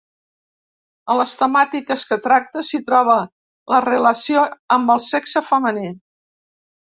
A les temàtiques que tracta s'hi troba la relació amb el sexe femení.